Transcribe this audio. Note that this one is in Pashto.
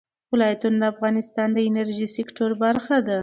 ولایتونه د افغانستان د انرژۍ سکتور برخه ده.